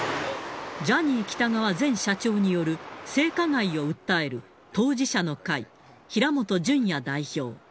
ジャニー喜多川前社長による性加害を訴える当事者の会、平本淳也代表。